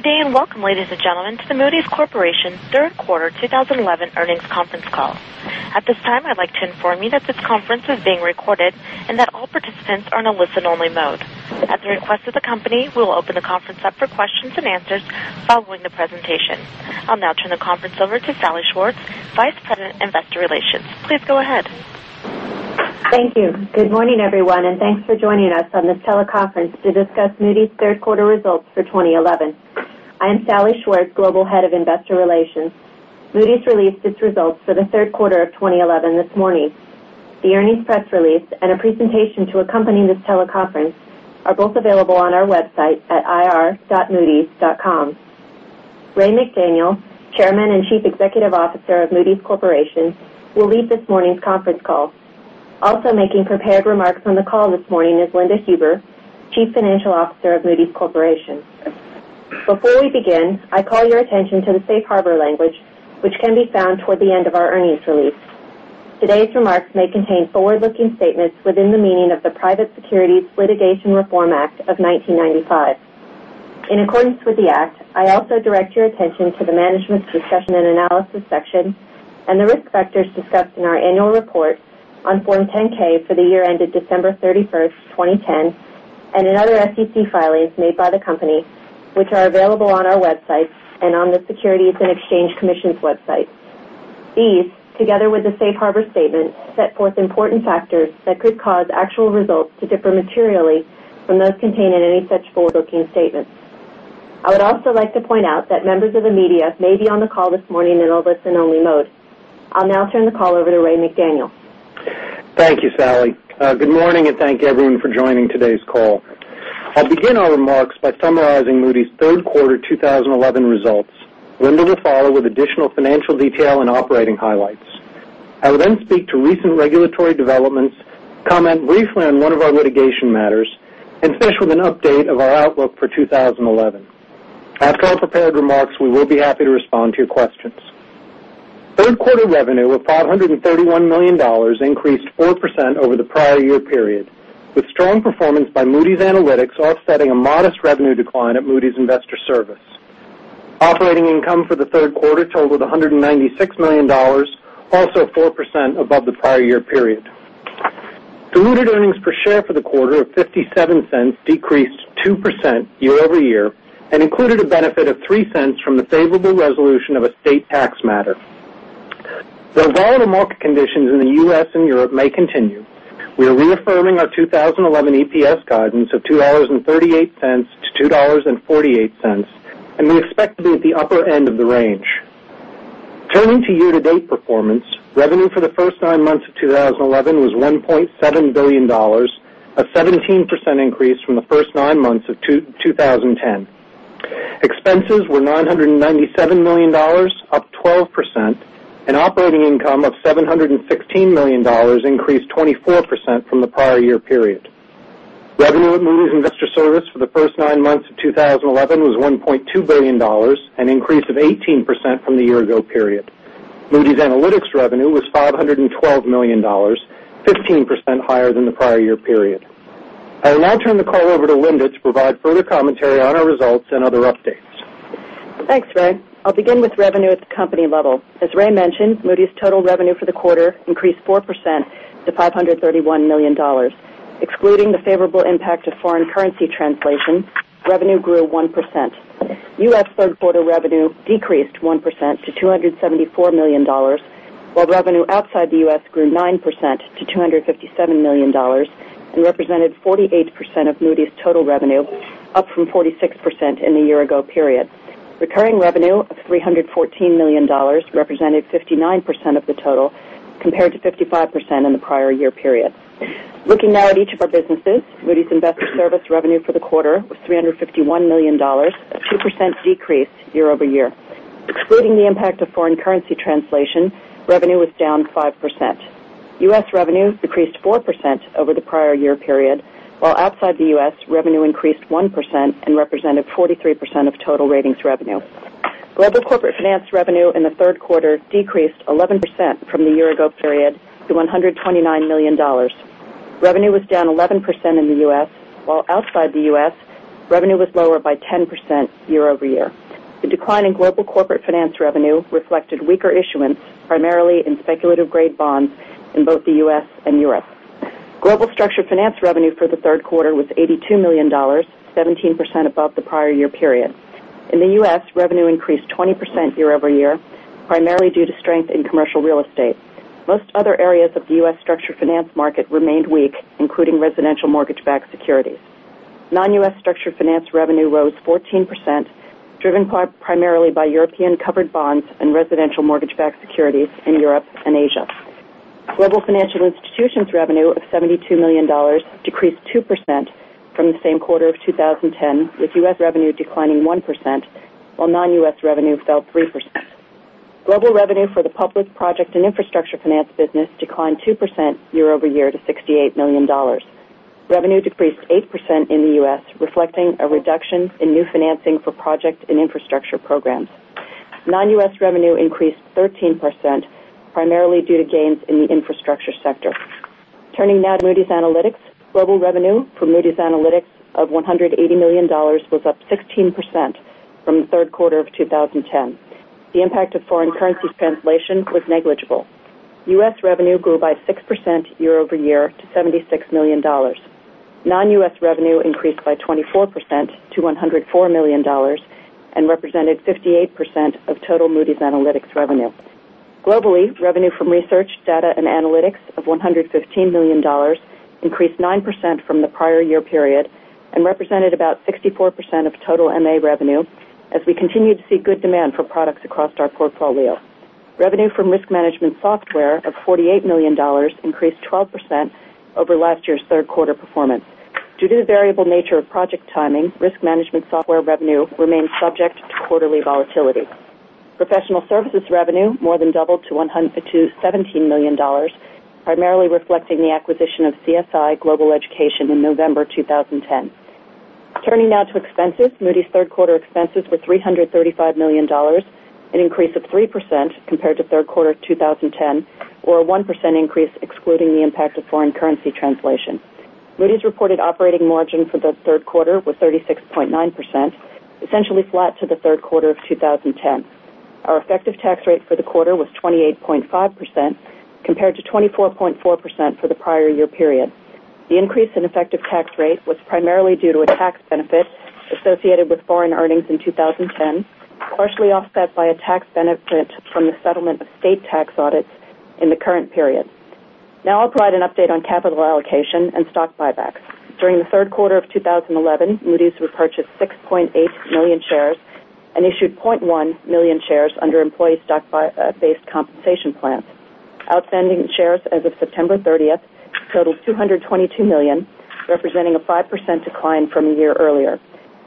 Good day and welcome, ladies and gentlemen, to the Moody's Corporation's Third Quarter 2011 Earnings Conference Call. At this time, I'd like to inform you that this conference is being recorded and that all participants are in a listen-only mode. At the request of the company, we will open the conference up for questions and answers following the presentation. I'll now turn the conference over to Salli Schwartz, Vice President of Investor Relations. Please go ahead. Thank you. Good morning, everyone, and thanks for joining us on this teleconference to discuss Moody's Third Quarter Results for 2011. I'm Salli Schwartz, Global Head of Investor Relations. Moody's released its results for the third quarter of 2011 this morning. The earnings press release and a presentation to accompany this teleconference are both available on our website at ir.moodys.com. Ray McDaniel, Chairman and Chief Executive Officer of Moody's Corporation, will lead this morning's conference call. Also making prepared remarks on the call this morning is Linda Huber, Chief Financial Officer of Moody's Corporation. Before we begin, I call your attention to the safe harbor language, which can be found toward the end of our earnings release. Today's remarks may contain forward-looking statements within the meaning of the Private Securities Litigation Reform Act of 1995. In accordance with the act, I also direct your attention to the management's discussion and analysis section and the risk factors discussed in our annual report on Form 10-K for the year ended December 31, 2010, and in other SEC filings made by the company, which are available on our websites and on the Securities and Exchange Commission's website. These, together with the safe harbor statement, set forth important factors that could cause actual results to differ materially from those contained in any such forward-looking statements. I would also like to point out that members of the media may be on the call this morning in a listen-only mode. I'll now turn the call over to Ray McDaniel. Thank you, Salli. Good morning and thank you, everyone, for joining today's call. I'll begin our remarks by summarizing Moody's Third Quarter 2011 Results, then follow with additional financial detail and operating highlights. I will then speak to recent regulatory developments, comment briefly on one of our litigation matters, and finish with an update of our outlook for 2011. After I've prepared remarks, we will be happy to respond to your questions. Third quarter revenue of $531 million increased 4% over the prior year period, with strong performance by Moody's Analytics offsetting a modest revenue decline at Moody's Investors Service. Operating income for the third quarter totaled $196 million, also 4% above the prior year period. Computed earnings per share for the quarter of $0.57 decreased 2% year-over-year and included a benefit of $0.03 from the favorable resolution of a state tax matter. Though volatile market conditions in the U.S. and Europe may continue, we are reaffirming our 2011 EPS guidance of $2.38-$2.48, and we expect to be at the upper end of the range. Turning to year-to-date performance, revenue for the first nine months of 2011 was $1.7 billion, a 17% increase from the first nine months of 2010. Expenses were $997 million, up 12%, and operating income of $716 million increased 24% from the prior year period. Revenue at Moody's Investors Service for the first nine months of 2011 was $1.2 billion, an increase of 18% from the year-ago period. Moody's Analytics revenue was $512 million, 15% higher than the prior year period. I will now turn the call over to Linda to provide further commentary on our results and other updates. Thanks, Ray. I'll begin with revenue at the company level. As Ray mentioned, Moody's total revenue for the quarter increased 4% to $531 million. Excluding the favorable impact of foreign currency translation, revenue grew 1%. U.S. third quarter revenue decreased 1% to $274 million, while revenue outside the U.S. grew 9% to $257 million and represented 48% of Moody's total revenue, up from 46% in the year-ago period. Recurring revenue of $314 million represented 59% of the total, compared to 55% in the prior year period. Looking now at each of our businesses, Moody's Investors Service revenue for the quarter was $351 million, a 2% decrease year-over-year. Excluding the impact of foreign currency translation, revenue was down 5%. U.S. revenue decreased 4% over the prior year period, while outside the U.S. revenue increased 1% and represented 43% of total ratings revenue. Global corporate finance revenue in the third quarter decreased 11% from the year-ago period to $129 million. Revenue was down 11% in the U.S., while outside the U.S. revenue was lower by 10% year-over-year. The decline in global corporate finance revenue reflected weaker issuance, primarily in speculative-grade bonds in both the U.S. and Europe. Global structured finance revenue for the third quarter was $82 million, 17% above the prior year period. In the U.S., revenue increased 20% year-over-year, primarily due to strength in commercial real estate. Most other areas of the U.S. structured finance market remained weak, including residential mortgage-backed securities. Non-U.S. structured finance revenue rose 14%, driven primarily by European covered bonds and residential mortgage-backed securities in Europe and Asia. Global financial institutions' revenue of $72 million decreased 2% from the same quarter of 2010, with U.S. revenue declining 1%, while non-U.S. revenue fell 3%. Global revenue for the public project and infrastructure finance business declined 2% year-over-year to $68 million. Revenue decreased 8% in the U.S., reflecting a reduction in new financing for project and infrastructure programs. Non-U.S. revenue increased 13%, primarily due to gains in the infrastructure sector. Turning now to Moody's Analytics, global revenue from Moody's Analytics of $180 million was up 16% from the third quarter of 2010. The impact of foreign currency translation was negligible. U.S. revenue grew by 6% year-over-year to $76 million. Non-U.S. revenue increased by 24% to $104 million and represented 58% of total Moody's Analytics revenue. Globally, revenue from research, data, and analytics of $115 million increased 9% from the prior year period and represented about 64% of total MA revenue, as we continue to see good demand for products across our portfolio. Revenue from risk management software of $48 million increased 12% over last year's third quarter performance. Due to the variable nature of project timing, risk management software revenue remains subject to quarterly volatility. Professional services revenue more than doubled to $17 million, primarily reflecting the acquisition of CSI Global Education in November 2010. Turning now to expenses, Moody's third quarter expenses were $335 million, an increase of 3% compared to the third quarter of 2010, or a 1% increase excluding the impact of foreign currency translation. Moody's reported operating margin for the third quarter was 36.9%, essentially flat to the third quarter of 2010. Our effective tax rate for the quarter was 28.5%, compared to 24.4% for the prior year period. The increase in effective tax rate was primarily due to a tax benefit associated with foreign earnings in 2010, partially offset by a tax benefit from the settlement of state tax audits in the current period. Now I'll provide an update on capital allocation and stock buybacks. During the third quarter of 2011, Moody's repurchased 6.8 million shares and issued 0.1 million shares under employee stock-based compensation plans. Outstanding shares as of September 30th totaled 222 million, representing a 5% decline from a year earlier.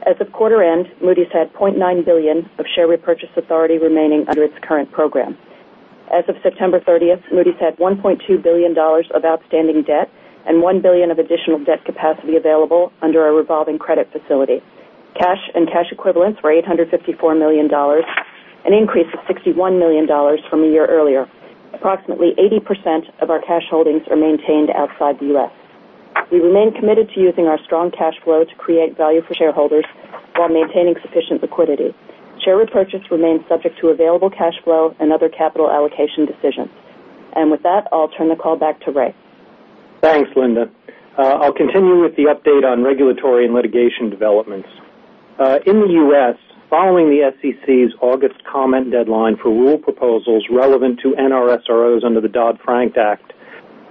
As of quarter end, Moody's had $0.9 billion of share repurchase authority remaining under its current program. As of September 30th, Moody's had $1.2 billion of outstanding debt and $1 billion of additional debt capacity available under our revolving credit facility. Cash and cash equivalents were $854 million, an increase of $61 million from a year earlier. Approximately 80% of our cash holdings are maintained outside the U.S. We remain committed to using our strong cash flow to create value for shareholders while maintaining sufficient liquidity. Share repurchase remains subject to available cash flow and other capital allocation decisions. With that, I'll turn the call back to Ray. Thanks, Linda. I'll continue with the update on regulatory and litigation developments. In the U.S., following the SEC's August comment deadline for rule proposals relevant to NRSROs under the Dodd-Frank Act,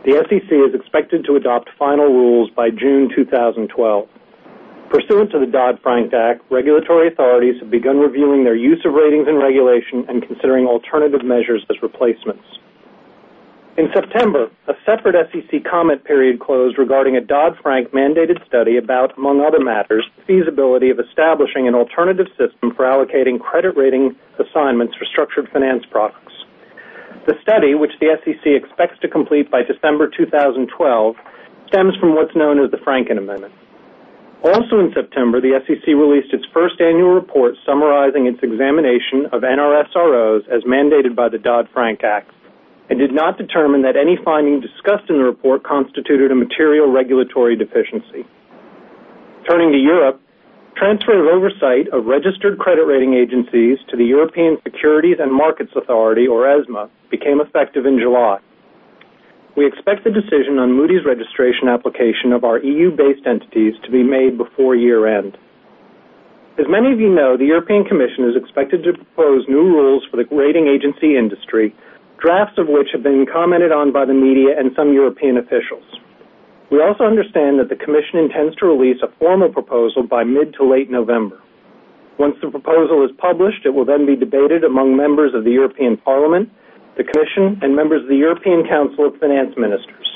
the SEC is expected to adopt final rules by June 2012. Pursuant to the Dodd-Frank Act, regulatory authorities have begun reviewing their use of ratings in regulation and considering alternative measures as replacements. In September, a separate SEC comment period closed regarding a Dodd-Frank mandated study about, among other matters, the feasibility of establishing an alternative system for allocating credit rating assignments for structured finance products. The study, which the SEC expects to complete by December 2012, stems from what's known as the Franken Amendment. Also in September, the SEC released its first annual report summarizing its examination of NRSROs as mandated by the Dodd-Frank Act and did not determine that any finding discussed in the report constituted a material regulatory deficiency. Turning to Europe, transfer of oversight of registered credit rating agencies to the European Securities and Markets Authority, or ESMA, became effective in July. We expect the decision on Moody's registration application of our EU-based entities to be made before year end. As many of you know, the European Commission is expected to propose new rules for the rating agency industry, drafts of which have been commented on by the media and some European officials. We also understand that the Commission intends to release a formal proposal by mid to late November. Once the proposal is published, it will then be debated among members of the European Parliament, the Commission, and members of the European Council of Finance Ministers.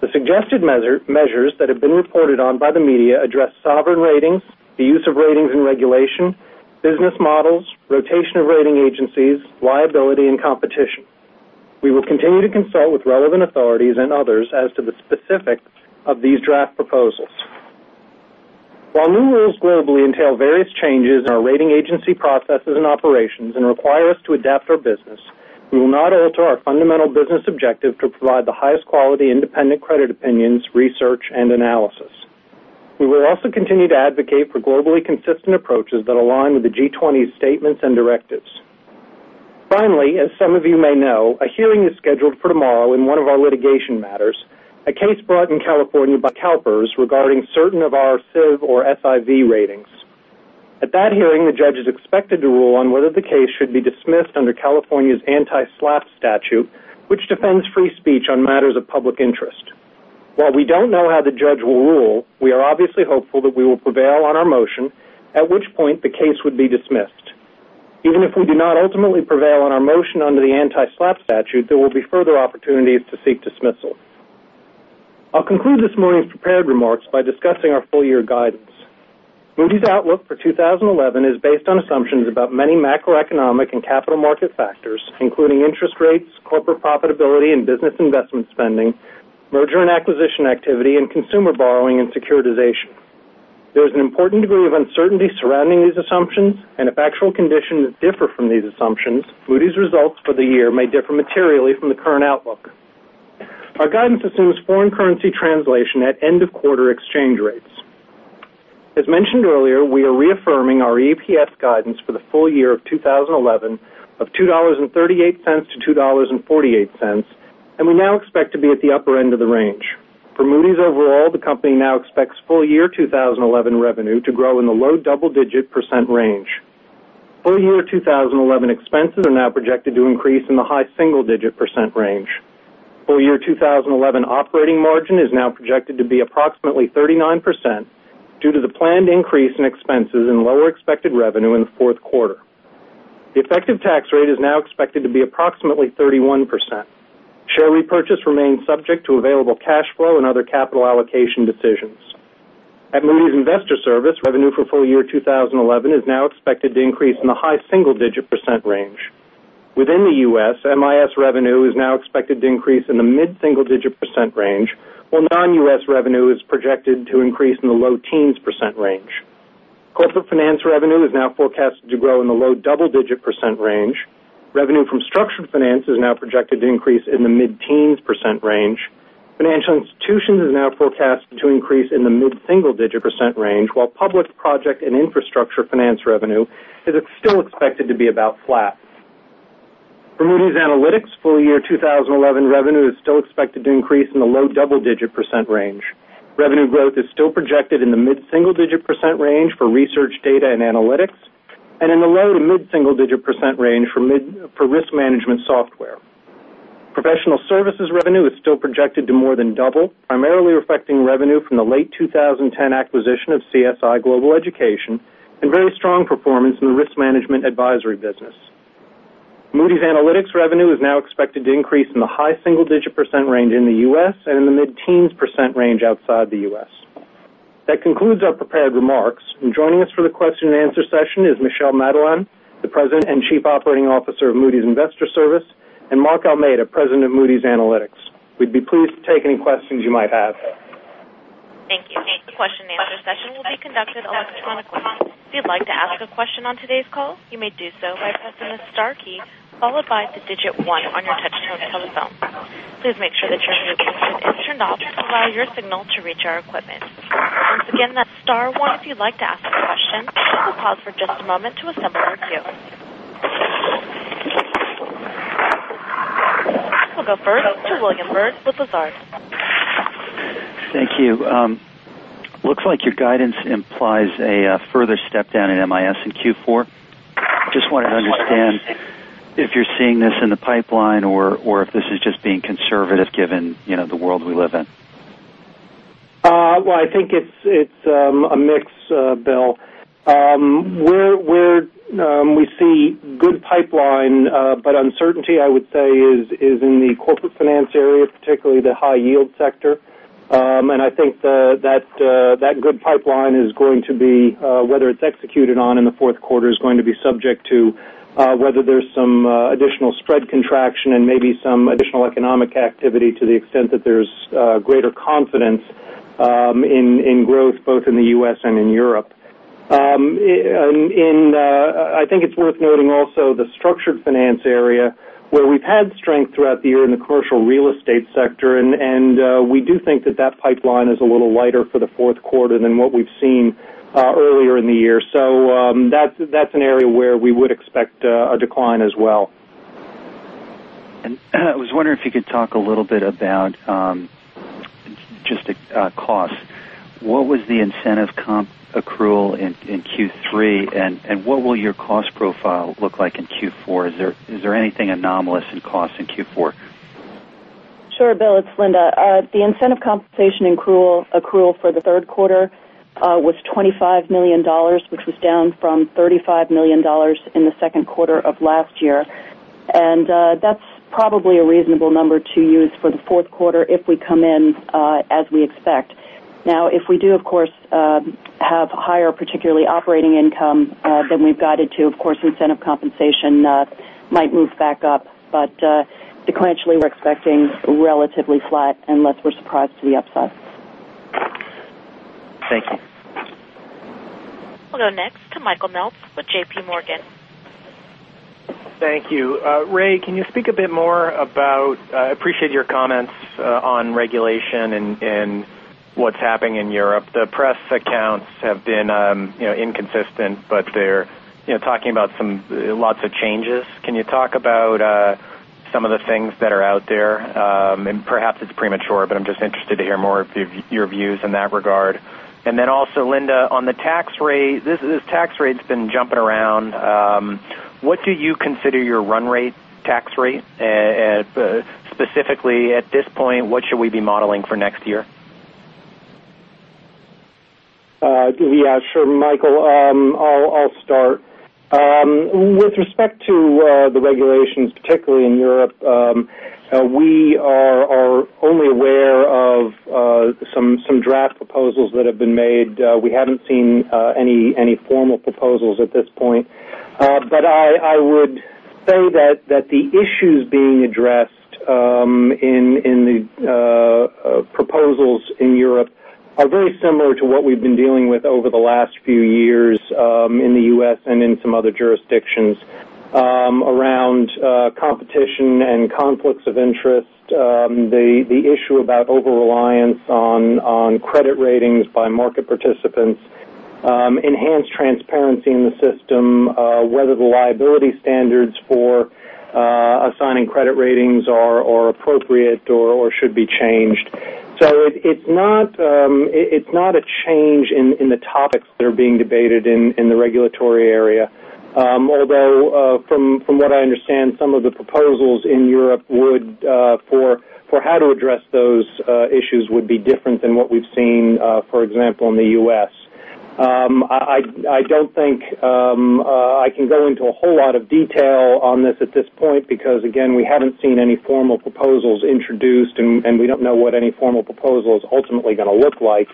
The suggested measures that have been reported on by the media address sovereign ratings, the use of ratings in regulation, business models, rotation of rating agencies, liability, and competition. We will continue to consult with relevant authorities and others as to the specifics of these draft proposals. While new rules globally entail various changes in our rating agency processes and operations and require us to adapt our business, we will not alter our fundamental business objective to provide the highest quality independent credit opinions, research, and analysis. We will also continue to advocate for globally consistent approaches that align with the G20 statements and directives. Finally, as some of you may know, a hearing is scheduled for tomorrow in one of our litigation matters, a case brought in California by CalPERS regarding certain of our SIV or SIV ratings. At that hearing, the judge is expected to rule on whether the case should be dismissed under California's anti-SLAPP statute, which defends free speech on matters of public interest. While we don't know how the judge will rule, we are obviously hopeful that we will prevail on our motion, at which point the case would be dismissed. Even if we do not ultimately prevail on our motion under the anti-SLAPP statute, there will be further opportunities to seek dismissal. I'll conclude this morning's prepared remarks by discussing our full-year guidance. Moody's outlook for 2011 is based on assumptions about many macroeconomic and capital market factors, including interest rates, corporate profitability and business investment spending, merger and acquisition activity, and consumer borrowing and securitization. There is an important degree of uncertainty surrounding these assumptions, and if actual conditions differ from these assumptions, Moody's results for the year may differ materially from the current outlook. Our guidance assumes foreign currency translation at end-of-quarter exchange rates. As mentioned earlier, we are reaffirming our EPS guidance for the full year of 2011 of $2.38 to $2.48, and we now expect to be at the upper end of the range. For Moody's overall, the company now expects full-year 2011 revenue to grow in the low double-digit % range. Full-year 2011 expenses are now projected to increase in the high single-digit % range. Full-year 2011 operating margin is now projected to be approximately 39% due to the planned increase in expenses and lower expected revenue in the fourth quarter. The effective tax rate is now expected to be approximately 31%. Share repurchase remains subject to available cash flow and other capital allocation decisions. At Moody's Investors Service, revenue for full-year 2011 is now expected to increase in the high single-digit % range. Within the U.S., MIS revenue is now expected to increase in the mid-single-digit % range, while non-U.S. revenue is projected to increase in the low teens % range. Corporate finance revenue is now forecasted to grow in the low double-digit % range. Revenue from structured finance is now projected to increase in the mid-teens % range. Financial institutions are now forecasted to increase in the mid-single-digit % range, while public project and infrastructure finance revenue is still expected to be about flat. For Moody's Analytics, full-year 2011 revenue is still expected to increase in the low double-digit % range. Revenue growth is still projected in the mid-single-digit % range for research, data, and analytics, and in the low to mid-single-digit % range for risk management software. Professional services revenue is still projected to more than double, primarily reflecting revenue from the late 2010 acquisition of CSI Global Education and very strong performance in the risk management advisory business. Moody's Analytics revenue is now expected to increase in the high single-digit % range in the U.S. and in the mid-teens % range outside the U.S. That concludes our prepared remarks. Joining us for the question and answer session is Michel Madelain, the President and Chief Operating Officer of Moody's Investors Service, and Mark Almeida, President of Moody's Analytics. We'd be pleased to take any questions you might have. Thank you. The question and answer session will be conducted electronically. If you'd like to ask a question on today's call, you may do so by pressing the Star key followed by the digit one on your touch-tone telephone. Please make sure that your Zoom link is turned off to allow your signal to reach our equipment. Once again, that's Star. If you'd like to ask a question, we'll pause for just a moment to assemble our queue. We'll go first to William Byrd with Lazard. Thank you. Looks like your guidance implies a further step down in MIS in Q4. I just wanted to understand if you're seeing this in the pipeline or if this is just being conservative given the world we live in. I think it's a mix, Bill. We see a good pipeline, but uncertainty, I would say, is in the corporate finance area, particularly the high-yield sector. I think that that good pipeline is going to be, whether it's executed on in the fourth quarter, subject to whether there's some additional spread contraction and maybe some additional economic activity to the extent that there's greater confidence in growth both in the U.S. and in Europe. I think it's worth noting also the structured finance area where we've had strength throughout the year in the commercial real estate sector, and we do think that that pipeline is a little lighter for the fourth quarter than what we've seen earlier in the year. That's an area where we would expect a decline as well. Could you talk a little bit about just a cost? What was the incentive comp accrual in Q3, and what will your cost profile look like in Q4? Is there anything anomalous in cost in Q4? Sure, Bill. It's Linda. The incentive compensation accrual for the third quarter was $25 million, which was down from $35 million in the second quarter of last year. That's probably a reasonable number to use for the fourth quarter if we come in as we expect. If we do, of course, have higher, particularly operating income, then, of course, incentive compensation might move back up. The clients, we're expecting relatively flat unless we're surprised to the upside. Thank you. We'll go next to Michael Meltz with JPMorgan. Thank you. Ray, can you speak a bit more about—I appreciate your comments on regulation and what's happening in Europe. The press accounts have been inconsistent, but they're talking about lots of changes. Can you talk about some of the things that are out there? Perhaps it's premature, but I'm just interested to hear more of your views in that regard. Also, Linda, on the tax rate, this tax rate's been jumping around. What do you consider your run rate tax rate? Specifically, at this point, what should we be modeling for next year? Yeah, sure, Michael. I'll start. With respect to the regulations, particularly in Europe, we are only aware of some draft proposals that have been made. We haven't seen any formal proposals at this point. I would say that the issues being addressed in the proposals in Europe are very similar to what we've been dealing with over the last few years in the U.S. and in some other jurisdictions around competition and conflicts of interest, the issue about overreliance on credit ratings by market participants, enhanced transparency in the system, whether the liability standards for assigning credit ratings are appropriate or should be changed. It's not a change in the topics that are being debated in the regulatory area, although from what I understand, some of the proposals in Europe for how to address those issues would be different than what we've seen, for example, in the U.S. I don't think I can go into a whole lot of detail on this at this point because, again, we haven't seen any formal proposals introduced, and we don't know what any formal proposal is ultimately going to look like.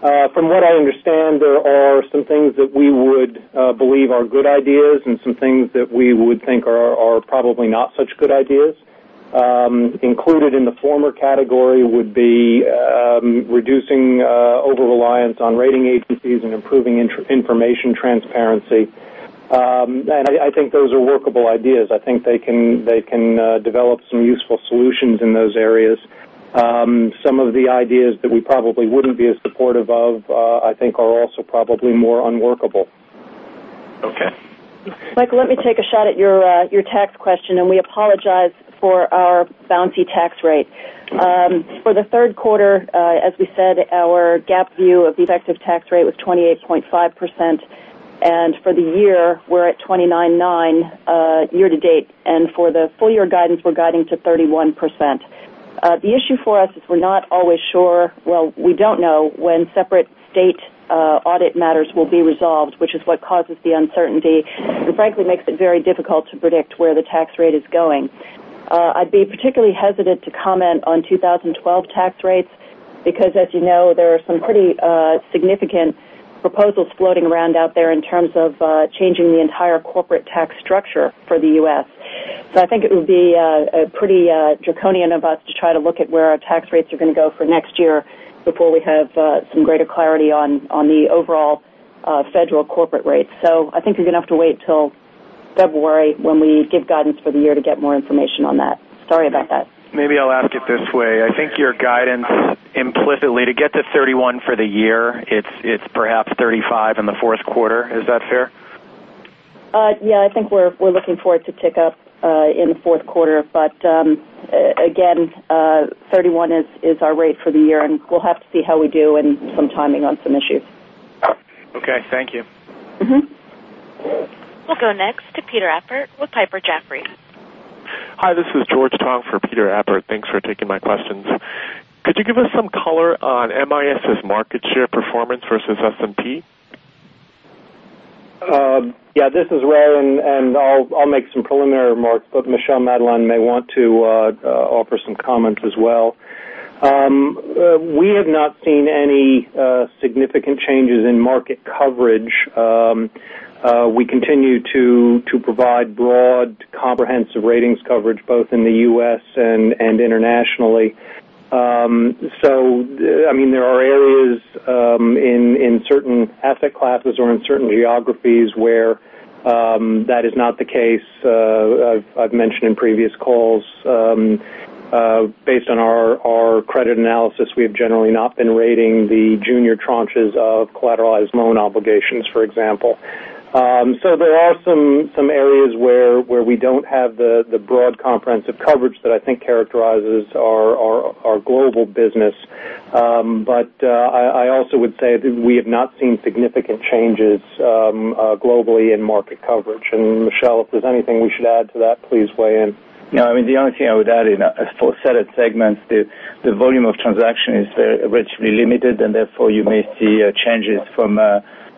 From what I understand, there are some things that we would believe are good ideas and some things that we would think are probably not such good ideas. Included in the former category would be reducing overreliance on credit rating agencies and improving information transparency. I think those are workable ideas. I think they can develop some useful solutions in those areas. Some of the ideas that we probably wouldn't be as supportive of, I think, are also probably more unworkable. Okay. Michael, let me take a shot at your tax question, and we apologize for our bouncy tax rate. For the third quarter, as we said, our GAAP view of the effective tax rate was 28.5%. For the year, we're at 29.9% year to date. For the full-year guidance, we're guiding to 31%. The issue for us is we're not always sure, we don't know when separate state audit matters will be resolved, which is what causes the uncertainty and, frankly, makes it very difficult to predict where the tax rate is going. I'd be particularly hesitant to comment on 2012 tax rates because, as you know, there are some pretty significant proposals floating around out there in terms of changing the entire corporate tax structure for the U.S. I think it would be pretty draconian of us to try to look at where our tax rates are going to go for next year before we have some greater clarity on the overall federal corporate rates. I think you're going to have to wait until February when we give guidance for the year to get more information on that. Sorry about that. Maybe I'll ask it this way. I think your guidance implicitly to get to 31% for the year, it's perhaps 35% in the fourth quarter. Is that fair? Yeah, I think we're looking for it to tick up in the fourth quarter. Again, 31% is our rate for the year, and we'll have to see how we do and some timing on some issues. Okay, thank you. We'll go next to Peter Appert with Piper Jaffray. Hi, this is George Tong for Peter Appert. Thanks for taking my questions. Could you give us some color on MIS's market share performance versus S&P? Yeah, this is Ray, and I'll make some preliminary remarks, but Michel Madelain may want to offer some comments as well. We have not seen any significant changes in market coverage. We continue to provide broad, comprehensive ratings coverage both in the U.S. and internationally. There are areas in certain asset classes or in certain geographies where that is not the case. I've mentioned in previous calls, based on our credit analysis, we have generally not been rating the junior tranches of collateralized loan obligations, for example. There are some areas where we don't have the broad, comprehensive coverage that I think characterizes our global business. I also would say that we have not seen significant changes globally in market coverage. Michel, if there's anything we should add to that, please weigh in. Yeah, I mean, the only thing I would add is for certain segments, the volume of transaction is very rigidly limited, and therefore, you may see changes from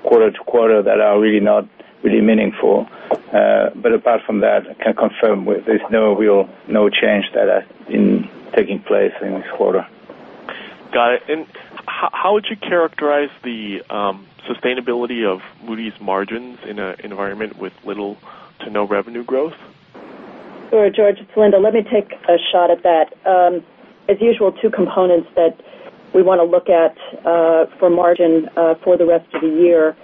quarter to quarter that are really not really meaningful. Apart from that, I can confirm there's no real change that is taking place in this quarter. Got it. How would you characterize the sustainability of Moody's margins in an environment with little to no revenue growth? Sure, George, it's Linda. Let me take a shot at that. As usual, two components that we want to look at for margin for the rest of the year.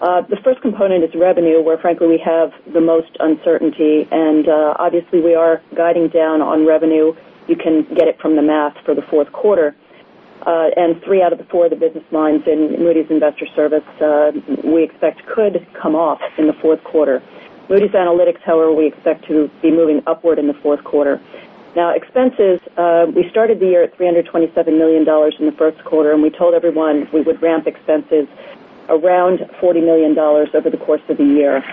The first component is revenue, where, frankly, we have the most uncertainty. Obviously, we are guiding down on revenue. You can get it from the math for the fourth quarter. Three out of the four of the business lines in Moody's Investors Service we expect could come off in the fourth quarter. Moody's Analytics, however, we expect to be moving upward in the fourth quarter. Now, expenses, we started the year at $327 million in the first quarter, and we told everyone we would ramp expenses around $40 million over the course of the year.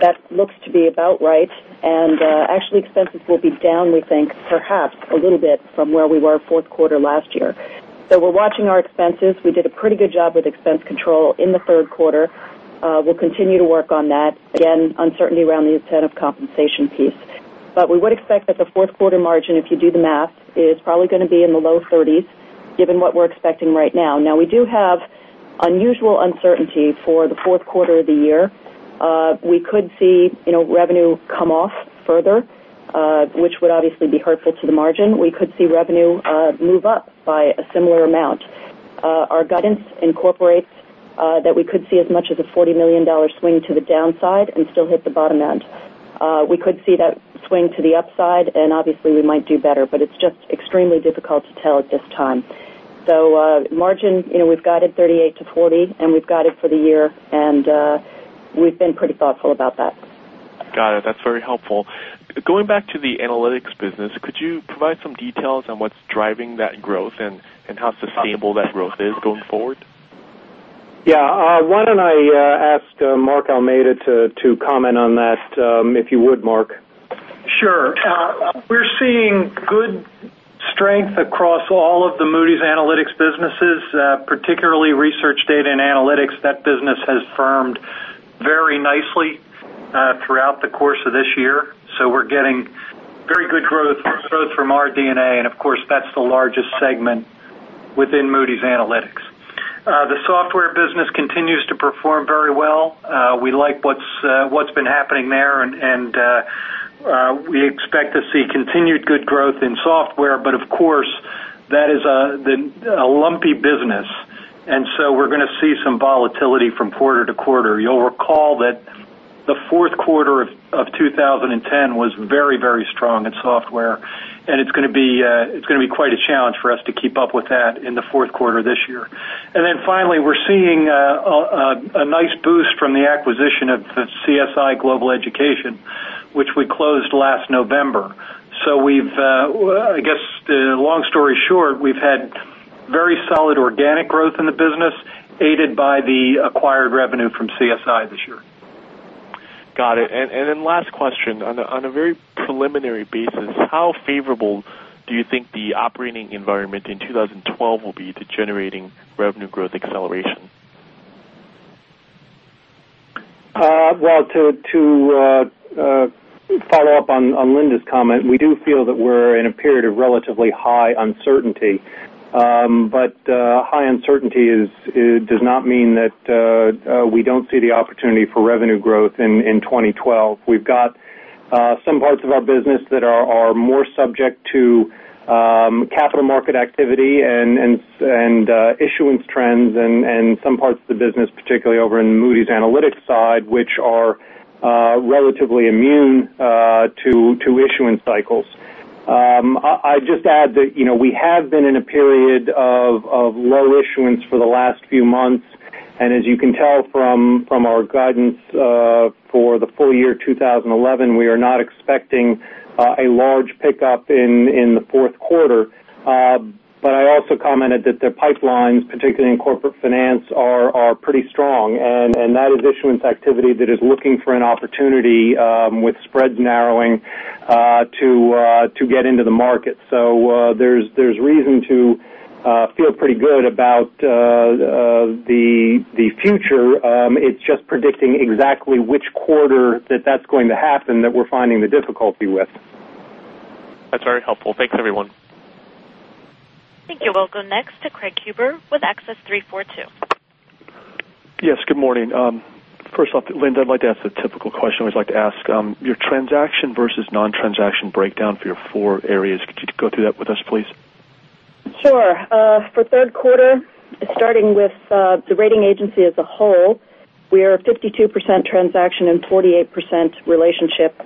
That looks to be about right. Actually, expenses will be down, we think, perhaps a little bit from where we were fourth quarter last year. We're watching our expenses. We did a pretty good job with expense control in the third quarter. We'll continue to work on that. Again, uncertainty around the incentive compensation piece. We would expect that the fourth quarter margin, if you do the math, is probably going to be in the low 30%, given what we're expecting right now. We do have unusual uncertainty for the fourth quarter of the year. We could see revenue come off further, which would obviously be hurtful to the margin. We could see revenue move up by a similar amount. Our guidance incorporates that we could see as much as a $40 million swing to the downside and still hit the bottom end. We could see that swing to the upside, and obviously, we might do better, but it's just extremely difficult to tell at this time. Margin, you know, we've guided 38%-40%, and we've guided for the year, and we've been pretty thoughtful about that. Got it. That's very helpful. Going back to the analytics business, could you provide some details on what's driving that growth and how sustainable that growth is going forward? Yeah, why don't I ask Mark Almeida to comment on that, if you would, Mark. Sure. We're seeing good strength across all of the Moody's Analytics businesses, particularly Research, Data, and Analytics. That business has firmed very nicely throughout the course of this year. We're getting very good growth from our DNA, and of course, that's the largest segment within Moody's Analytics. The software business continues to perform very well. We like what's been happening there, and we expect to see continued good growth in software. Of course, that is a lumpy business, and we're going to see some volatility from quarter to quarter. You'll recall that the fourth quarter of 2010 was very, very strong in software, and it's going to be quite a challenge for us to keep up with that in the fourth quarter this year. Finally, we're seeing a nice boost from the acquisition of CSI Global Education, which we closed last November. Long story short, we've had very solid organic growth in the business, aided by the acquired revenue from CSI this year. Got it. Last question. On a very preliminary basis, how favorable do you think the operating environment in 2012 will be to generating revenue growth acceleration? To follow up on Linda's comment, we do feel that we're in a period of relatively high uncertainty. High uncertainty does not mean that we don't see the opportunity for revenue growth in 2012. We've got some parts of our business that are more subject to capital market activity and issuance trends, and some parts of the business, particularly over in the Moody's Analytics side, which are relatively immune to issuance cycles. I'd just add that we have been in a period of low issuance for the last few months. As you can tell from our guidance for the full year 2011, we are not expecting a large pickup in the fourth quarter. I also commented that the pipelines, particularly in corporate finance, are pretty strong, and that is issuance activity that is looking for an opportunity with spread narrowing to get into the market. There's reason to feel pretty good about the future. It's just predicting exactly which quarter that's going to happen that we're finding the difficulty with. That's very helpful. Thanks, everyone. Thank you. We'll go next to Craig Huber with Huber Research. Yes, good morning. First off, Linda, I'd like to ask a typical question I always like to ask: your transaction versus non-transaction breakdown for your four areas. Could you go through that with us, please? Sure. For third quarter, starting with the rating agency as a whole, we are a 52% transaction and 48% relationship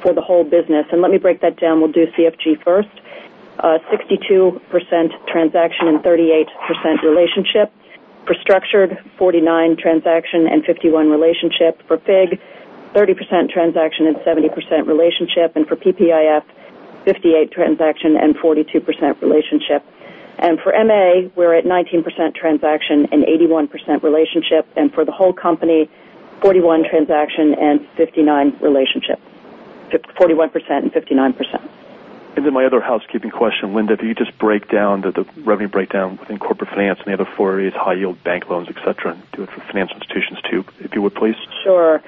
for the whole business. Let me break that down. We'll do CFG first: a 62% transaction and 38% relationship. For structured, 49% transaction and 51% relationship. For FIG, 30% transaction and 70% relationship. For PPIF, 58% transaction and 42% relationship. For MA, we're at 19% transaction and 81% relationship. For the whole company, 41% transaction and 59% relationship. Linda, if you could just break down the revenue breakdown within corporate finance and the other four areas: high-yield bank loans, etc., and do it for financial institutions too, if you would, please. Sure.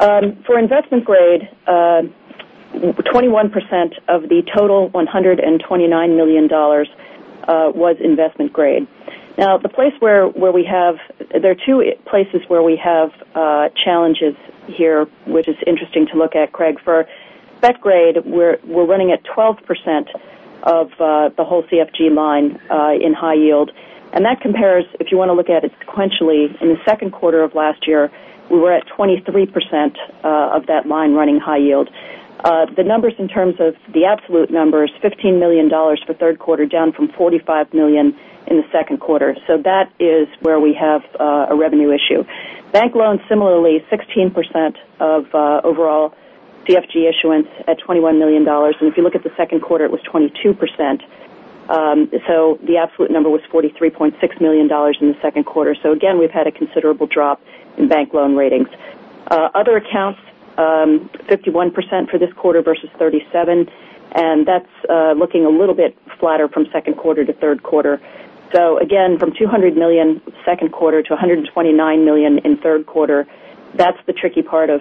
For investment grade, 21% of the total $129 million was investment grade. Now, the place where we have there are two places where we have challenges here, which is interesting to look at, Craig. For BET grade, we're running at 12% of the whole CFG line in high yield. That compares, if you want to look at it sequentially, in the second quarter of last year, we were at 23% of that line running high yield. The numbers in terms of the absolute numbers: $15 million for third quarter, down from $45 million in the second quarter. That is where we have a revenue issue. Bank loans, similarly, 16% of overall CFG issuance at $21 million. If you look at the second quarter, it was 22%. The absolute number was $43.6 million in the second quarter. We have had a considerable drop in bank loan ratings. Other accounts, 51% for this quarter versus 37%, and that's looking a little bit flatter from second quarter to third quarter. From $200 million second quarter to $129 million in third quarter, that's the tricky part of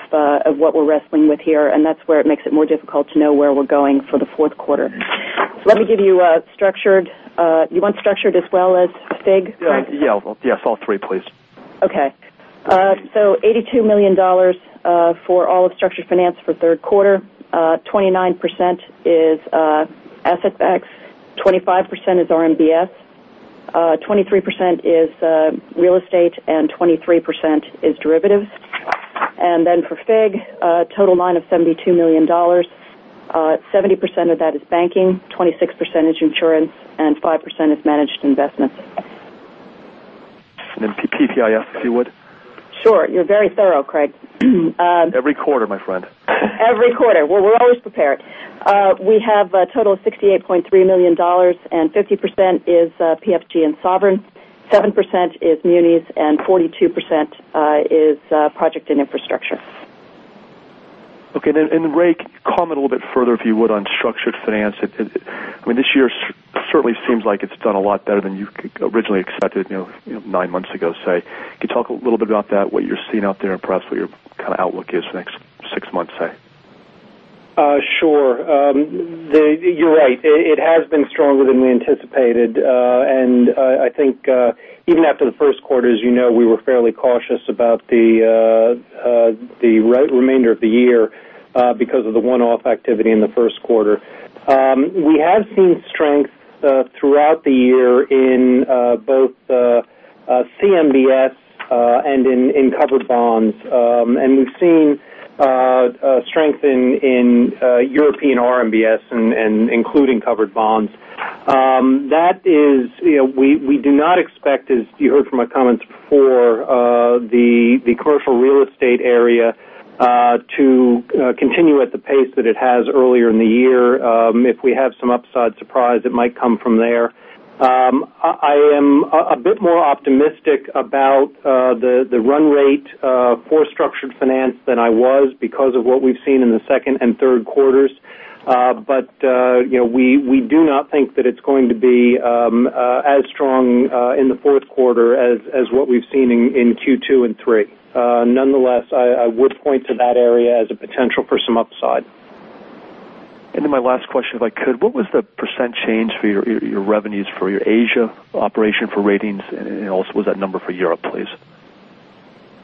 what we're wrestling with here, and that's where it makes it more difficult to know where we're going for the fourth quarter. Let me give you structured. You want structured as well as FIG? Yeah, yeah, all three, please. Okay. $82 million for all of structured finance for the third quarter. 29% is asset-backs, 25% is RMBS, 23% is real estate, and 23% is derivatives. For FIG, a total line of $72 million. 70% of that is banking, 26% is insurance, and 5% is managed investments. TPIF, if you would. Sure. You're very thorough, Craig. Every quarter, my friend. Every quarter, we're always prepared. We have a total of $68.3 million, and 50% is PFG and sovereign, 7% is munis, and 42% is project and infrastructure. Okay. Ray, comment a little bit further, if you would, on structured finance. This year certainly seems like it's done a lot better than you originally expected nine months ago, say. Could you talk a little bit about that, what you're seeing out there, and perhaps what your kind of outlook is for the next six months, say? Sure. You're right. It has been stronger than we anticipated. I think even after the first quarter, as you know, we were fairly cautious about the remainder of the year because of the one-off activity in the first quarter. We have seen strength throughout the year in both CMBS and in covered bonds. We've seen strength in European RMBS, including covered bonds. That is, you know, we do not expect, as you heard from my comments before, the commercial real estate area to continue at the pace that it has earlier in the year. If we have some upside surprise, it might come from there. I am a bit more optimistic about the run rate for structured finance than I was because of what we've seen in the second and third quarters. We do not think that it's going to be as strong in the fourth quarter as what we've seen in Q2 and Q3. Nonetheless, I would point to that area as a potential for some upside. What was the % change for your revenues for your Asia operation for ratings, and also what was that number for Europe, please?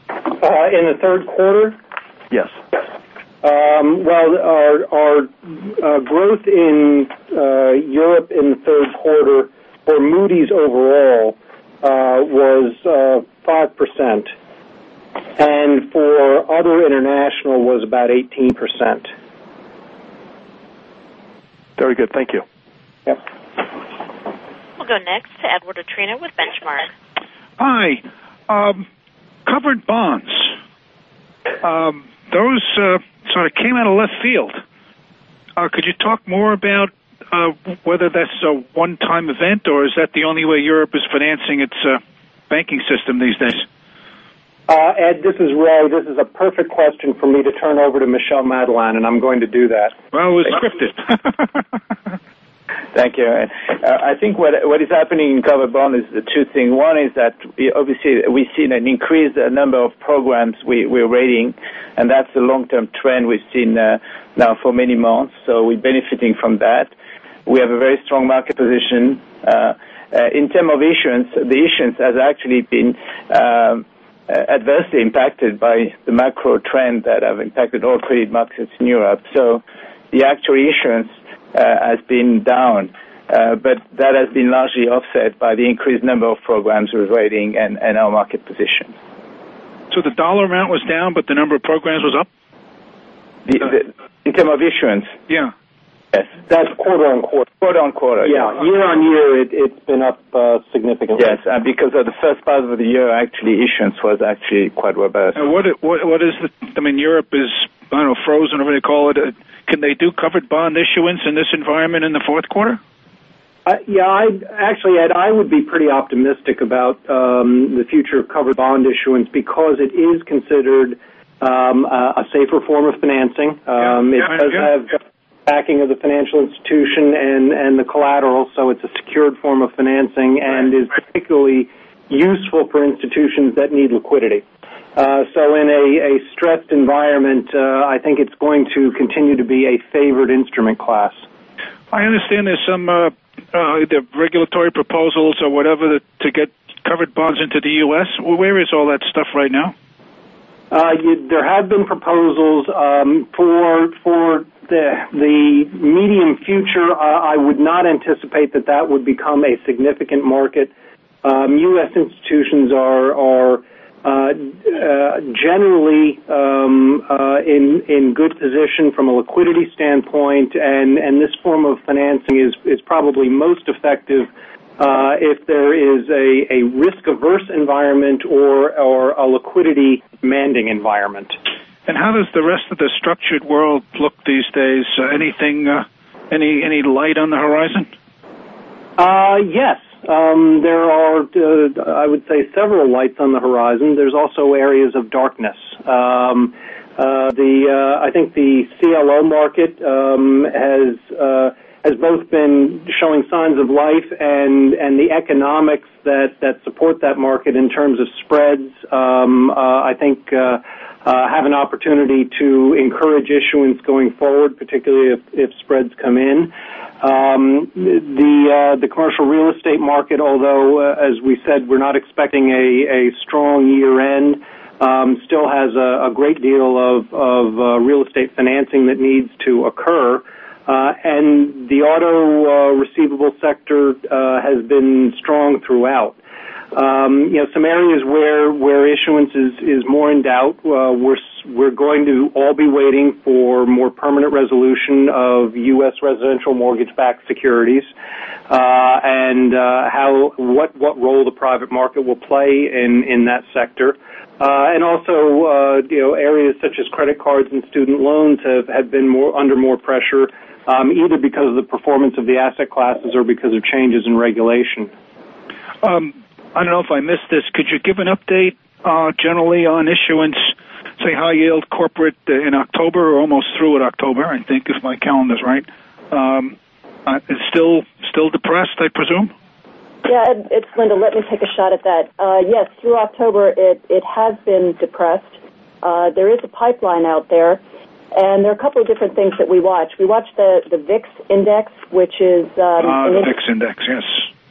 In the third quarter? Yes. Our growth in Europe in the third quarter for Moody's overall was 5%, and for other international was about 18%. Very good. Thank you. Yep. We'll go next to Edward Atorino with Benchmark. Hi. Covered bonds, those sort of came out of left field. Could you talk more about whether that's a one-time event, or is that the only way Europe is financing its banking system these days? This is Ray. This is a perfect question for me to turn over to Michel Madelain, and I'm going to do that. It was scripted. Thank you. I think what is happening in covered bonds is two things. One is that obviously we've seen an increased number of programs we're rating, and that's a long-term trend we've seen now for many months. We're benefiting from that. We have a very strong market position. In terms of issuance, the issuance has actually been adversely impacted by the macro trends that have impacted all trade markets in Europe. The actual issuance has been down, but that has been largely offset by the increased number of programs we're rating and our market position. The dollar amount was down, but the number of programs was up? In terms of issuance? Yeah. Yes. That's "quote unquote. Yeah. Year on year, it's been up significantly. Yes, because of the first part of the year, actually, issuance was actually quite robust. What is the, I mean, Europe is, I don't know, frozen or what do they call it? Can they do covered bond issuance in this environment in the fourth quarter? Yeah, actually, Ed, I would be pretty optimistic about the future of covered bond issuance because it is considered a safer form of financing. It does have backing of the financial institution and the collateral, so it's a secured form of financing and is particularly useful for institutions that need liquidity. In a stretched environment, I think it's going to continue to be a favored instrument class. I understand there's some either regulatory proposals or whatever to get covered bonds into the U.S. Where is all that stuff right now? There have been proposals for the medium future. I would not anticipate that that would become a significant market. U.S. institutions are generally in a good position from a liquidity standpoint, and this form of financing is probably most effective if there is a risk-averse environment or a liquidity-demanding environment. How does the rest of the structured world look these days? Anything, any light on the horizon? Yes. There are, I would say, several lights on the horizon. There's also areas of darkness. I think the CLO market has both been showing signs of life, and the economics that support that market in terms of spreads, I think, have an opportunity to encourage issuance going forward, particularly if spreads come in. The commercial real estate market, although, as we said, we're not expecting a strong year-end, still has a great deal of real estate financing that needs to occur. The auto-receivable sector has been strong throughout. Some areas where issuance is more in doubt, we're going to all be waiting for more permanent resolution of U.S. residential mortgage-backed securities and what role the private market will play in that sector. Also, areas such as credit cards and student loans have been under more pressure, either because of the performance of the asset classes or because of changes in regulation. I don't know if I missed this. Could you give an update generally on issuance, say, high-yield corporate in October or almost through in October, I think, if my calendar's right? It's still depressed, I presume? Yeah, it's Linda. Let me take a shot at that. Yes, through October, it has been depressed. There is a pipeline out there, and there are a couple of different things that we watch. We watch the VIX index, which is an. VIX Index, yes.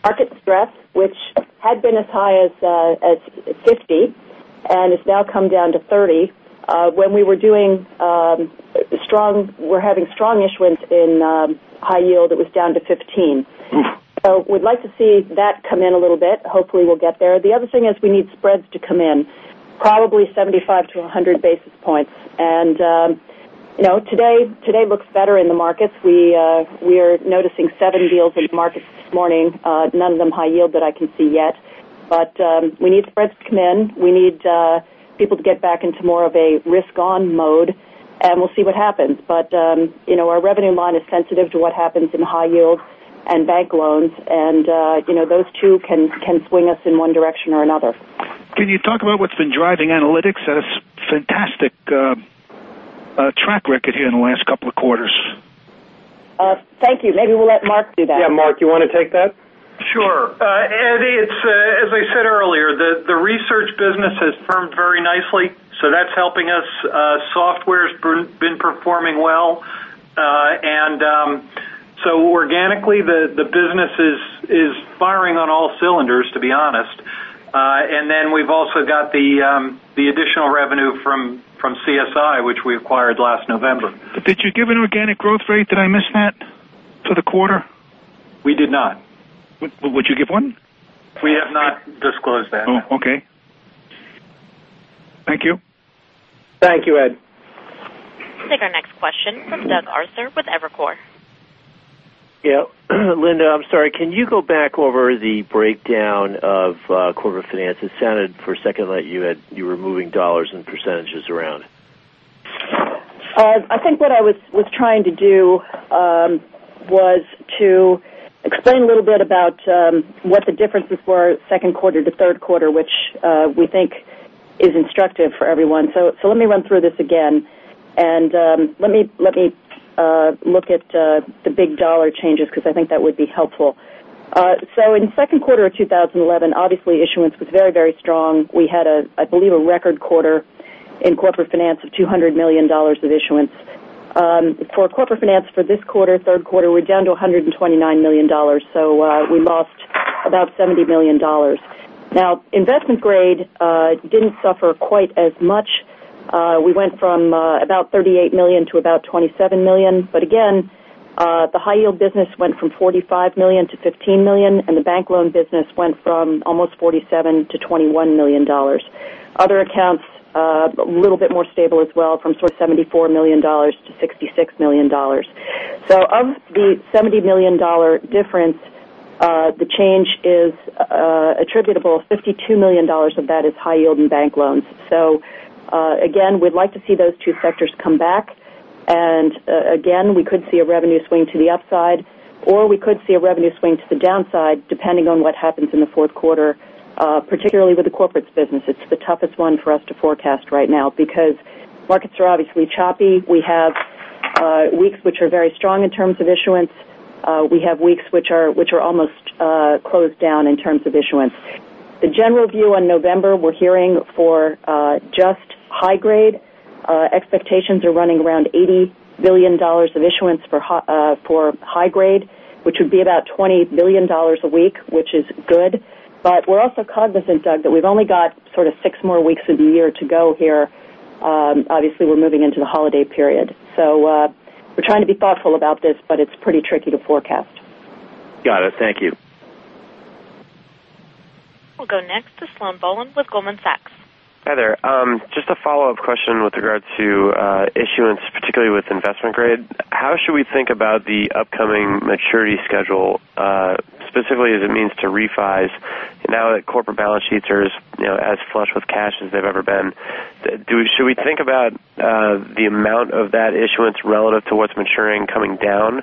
Market stress, which had been as high as 50, and it's now come down to 30. When we were doing strong, we're having strong issuance in high yield, it was down to 15. We'd like to see that come in a little bit. Hopefully, we'll get there. The other thing is we need spreads to come in, probably 75 basis points-100 basis points. You know, today looks better in the markets. We are noticing seven deals in the markets this morning, none of them high yield that I can see yet. We need spreads to come in. We need people to get back into more of a risk-on mode, and we'll see what happens. You know, our revenue line is sensitive to what happens in high yield and bank loans, and those two can swing us in one direction or another. Can you talk about what's been driving Analytics at a fantastic track record here in the last couple of quarters? Thank you. Maybe we'll let Mark do that. Yeah, Mark, you want to take that? Sure. As I said earlier, the research business has firmed very nicely, so that's helping us. Software's been performing well, and so organically, the business is firing on all cylinders, to be honest. We've also got the additional revenue from CSI Global Education, which we acquired last November. Did you give an organic growth rate? Did I miss that for the quarter? We did not. Would you give one? We have not disclosed that. Oh, okay. Thank you. Thank you, Ed. Take our next question from Doug Arthur with Evercore. Yeah. Linda, I'm sorry. Can you go back over the breakdown of corporate finance? It sounded for a second like you were moving dollars and % around. I think what I was trying to do was to explain a little bit about what the differences were second quarter to third quarter, which we think is instructive for everyone. Let me run through this again. Let me look at the big dollar changes because I think that would be helpful. In the second quarter of 2011, obviously, issuance was very, very strong. We had, I believe, a record quarter in corporate finance of $200 million of issuance. For corporate finance for this quarter, third quarter, we're down to $129 million. We lost about $70 million. Now, investment grade didn't suffer quite as much. We went from about $38 million to about $27 million. Again, the high-yield business went from $45 million to $15 million, and the bank loan business went from almost $47 million-$21 million. Other accounts a little bit more stable as well, from sort of $74 million -$66 million. Of the $70 million difference, the change is attributable. $52 million of that is high yield in bank loans. We would like to see those two sectors come back. We could see a revenue swing to the upside, or we could see a revenue swing to the downside, depending on what happens in the fourth quarter, particularly with the corporate business. It's the toughest one for us to forecast right now because markets are obviously choppy. We have weeks which are very strong in terms of issuance. We have weeks which are almost closed down in terms of issuance. The general view on November, we're hearing for just high grade. Expectations are running around $80 billion of issuance for high grade, which would be about $20 billion a week, which is good. We are also cognizant, Doug, that we've only got sort of six more weeks of the year to go here. Obviously, we're moving into the holiday period. We are trying to be thoughtful about this, but it's pretty tricky to forecast. Got it. Thank you. We'll go next to Zhang Bowen with Goldman Sachs. Hi there. Just a follow-up question with regard to issuance, particularly with investment grade. How should we think about the upcoming maturity schedule, specifically as it means to refis, now that corporate balance sheets are as flush with cash as they've ever been? Should we think about the amount of that issuance relative to what's maturing coming down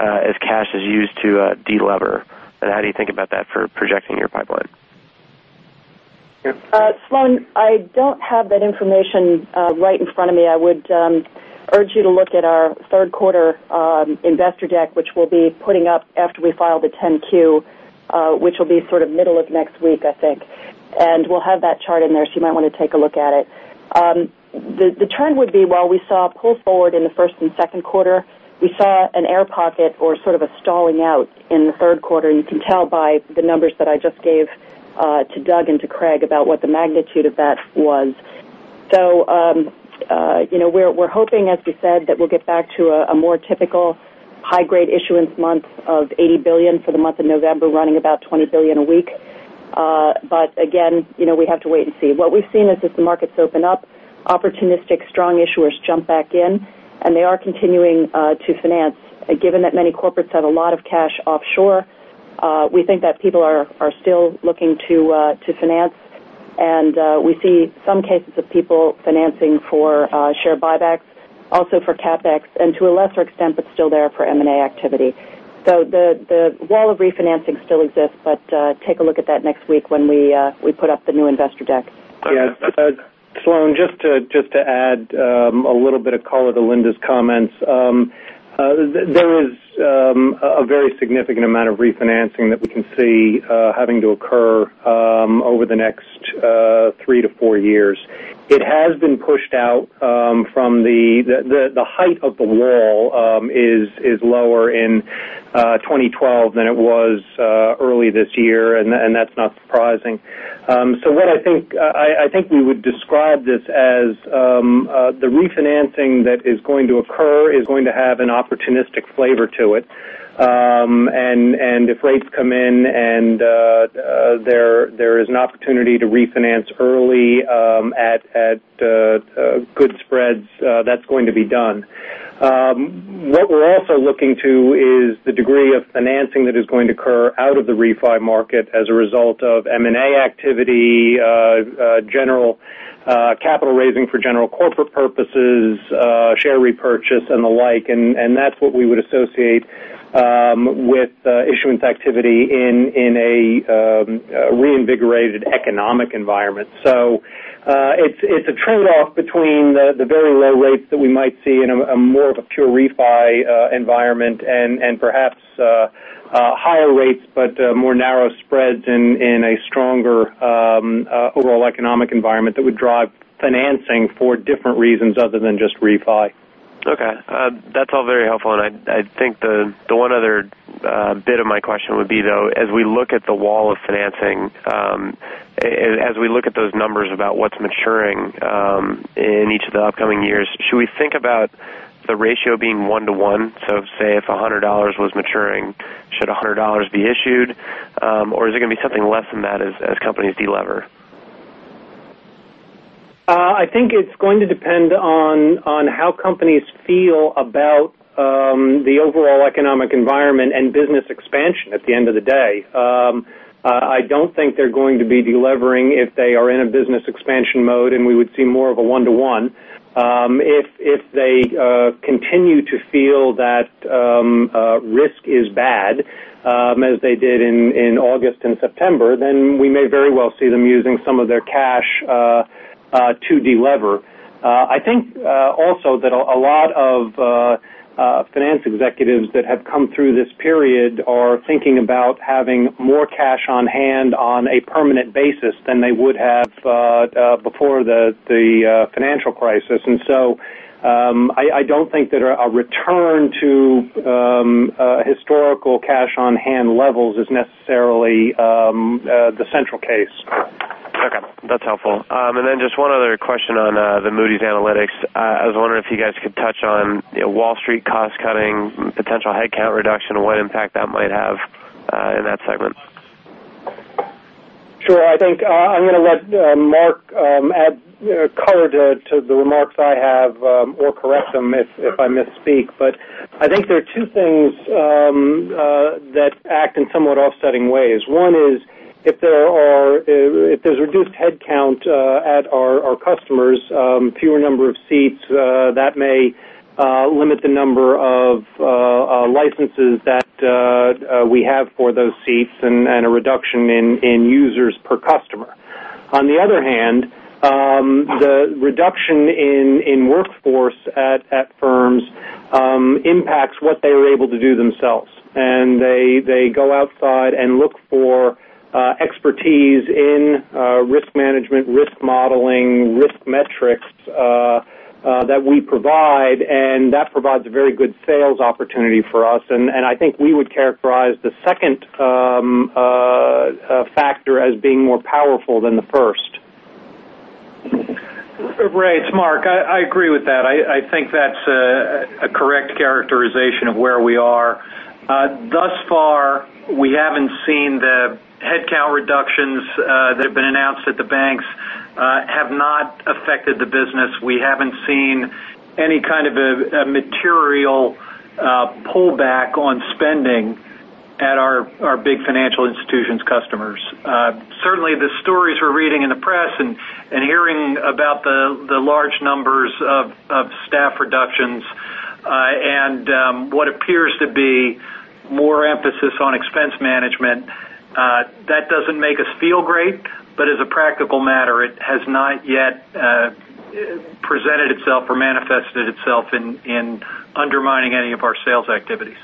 as cash is used to delever? How do you think about that for projecting your pipeline? Sloan, I don't have that information right in front of me. I would urge you to look at our third quarter investor deck, which we'll be putting up after we file the 10-Q, which will be sort of middle of next week, I think. We'll have that chart in there, so you might want to take a look at it. The trend would be while we saw pulls forward in the first and second quarter, we saw an air pocket or sort of a stalling out in the third quarter. You can tell by the numbers that I just gave to Doug and to Craig about what the magnitude of that was. We're hoping, as we said, that we'll get back to a more typical high-grade issuance month of $80 billion for the month of November, running about $20 billion a week. We have to wait and see. What we've seen is if the markets open up, opportunistic strong issuers jump back in, and they are continuing to finance. Given that many corporates have a lot of cash offshore, we think that people are still looking to finance. We see some cases of people financing for share buybacks, also for CapEx, and to a lesser extent, but still there, for M&A activity. The wall of refinancing still exists, but take a look at that next week when we put up the new investor deck. Yeah. Sloan, just to add a little bit of color to Linda Huber's comments, there is a very significant amount of refinancing that we can see having to occur over the next three to four years. It has been pushed out from the height of the wall, is lower in 2012 than it was early this year, and that's not surprising. What I think we would describe this as, the refinancing that is going to occur is going to have an opportunistic flavor to it. If rates come in and there is an opportunity to refinance early at good spreads, that's going to be done. What we're also looking to is the degree of financing that is going to occur out of the refi market as a result of M&A activity, general capital raising for general corporate purposes, share repurchase, and the like. That's what we would associate with issuance activity in a reinvigorated economic environment. It's a trade-off between the very low rate that we might see in more of a pure refi environment and perhaps higher rates, but more narrow spreads in a stronger overall economic environment that would drive financing for different reasons other than just refi. That's all very helpful. I think the one other bit of my question would be, though, as we look at the wall of financing, as we look at those numbers about what's maturing in each of the upcoming years, should we think about the ratio being one to one? Say if $100 was maturing, should $100 be issued? Or is it going to be something less than that as companies delever? I think it's going to depend on how companies feel about the overall economic environment and business expansion at the end of the day. I don't think they're going to be delivering if they are in a business expansion mode, and we would see more of a one to one. If they continue to feel that risk is bad, as they did in August and September, we may very well see them using some of their cash to delever. I think also that a lot of finance executives that have come through this period are thinking about having more cash on hand on a permanent basis than they would have before the financial crisis. I don't think that a return to historical cash on hand levels is necessarily the central case. Okay. That's helpful. Just one other question on Moody's Analytics. I was wondering if you guys could touch on Wall Street cost-cutting, potential headcount reduction, and what impact that might have in that segment. Sure. I think I'm going to let Mark add color to the remarks I have or correct them if I misspeak. I think there are two things that act in somewhat offsetting ways. One is if there's reduced headcount at our customers, fewer number of seats, that may limit the number of licenses that we have for those seats and a reduction in users per customer. On the other hand, the reduction in workforce at firms impacts what they are able to do themselves. They go outside and look for expertise in risk management, risk modeling, risk metrics that we provide, and that provides a very good sales opportunity for us. I think we would characterize the second factor as being more powerful than the first. Ray, it's Mark. I agree with that. I think that's a correct characterization of where we are. Thus far, we haven't seen the headcount reductions that have been announced at the banks have not affected the business. We haven't seen any kind of a material pullback on spending at our big financial institutions' customers. Certainly, the stories we're reading in the press and hearing about the large numbers of staff reductions and what appears to be more emphasis on expense management, that doesn't make us feel great. As a practical matter, it has not yet presented itself or manifested itself in undermining any of our sales activities.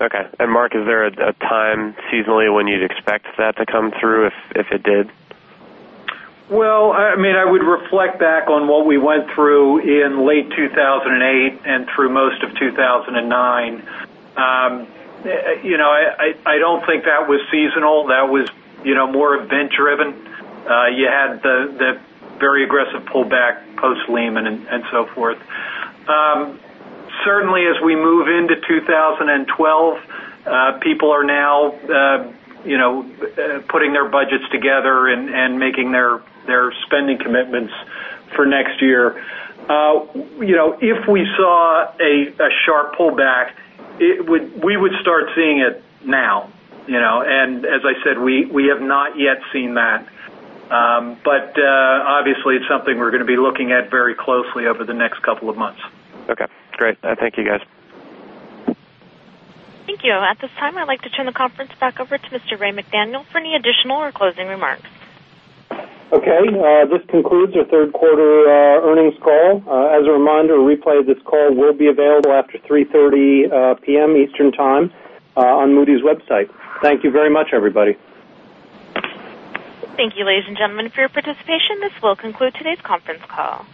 Okay. Mark, is there a time seasonally when you'd expect that to come through if it did? I would reflect back on what we went through in late 2008 and through most of 2009. I don't think that was seasonal. That was more event-driven. You had the very aggressive pullback post-Lehman and so forth. Certainly, as we move into 2012, people are now putting their budgets together and making their spending commitments for next year. If we saw a sharp pullback, we would start seeing it now. As I said, we have not yet seen that. Obviously, it's something we're going to be looking at very closely over the next couple of months. Okay, great. Thank you, guys. Thank you. At this time, I'd like to turn the conference back over to Mr. Ray McDaniel for any additional or closing remarks. Okay. This concludes our third quarter earnings call. As a reminder, a replay of this call will be available after 3:30 P.M. Eastern Time on Moody's website. Thank you very much, everybody. Thank you, ladies and gentlemen, for your participation. This will conclude today's conference call.